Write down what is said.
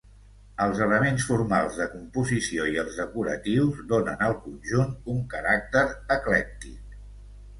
Els elements formals de composició i els decoratius donen al conjunt un caràcter eclèctic.